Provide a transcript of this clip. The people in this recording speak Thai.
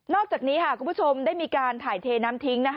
อกจากนี้คุณผู้ชมได้มีการถ่ายเทน้ำทิ้ง